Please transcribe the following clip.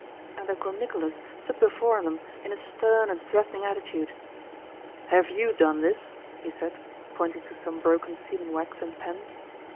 And Uncle Nicholas stood before them in a stern and threatening attitude. "Have you done this?" he said, pointing to some broken sealing wax and pens.